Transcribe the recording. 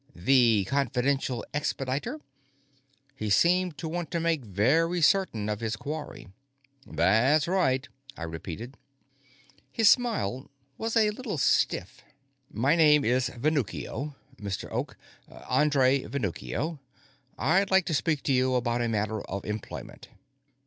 "The confidential expediter?" He seemed to want to make very certain of his quarry. "That's right," I repeated. His smile was a little stiff. "My name is Venuccio, Mr. Oak; André Venuccio. I'd like to speak to you about a matter of employment."